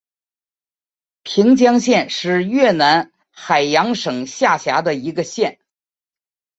平江县是越南海阳省下辖的一个县。